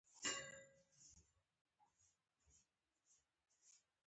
د فراه خلک نه یواځې دا چې جنوبي دي، بلکې مهربانه هم دي.